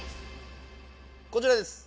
こちらです。